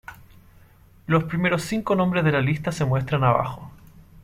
Los primeros cinco nombres de la lista se muestran abajo.